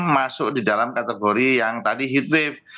masuk di dalam kategori yang tadi heatwave